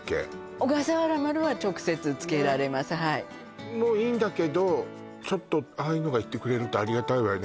おがさわら丸は直接つけられますはいもいいんだけどちょっとああいうのが行ってくれるとありがたいわよね